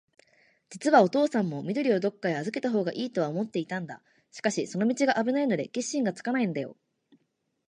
じつはおとうさんも、緑をどっかへあずけたほうがいいとは思っていたんだ。しかし、その道があぶないので、決心がつかないんだよ。